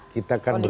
kita kan berbeda